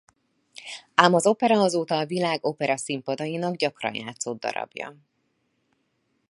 Ám az opera azóta a világ operaszínpadainak gyakran játszott darabja.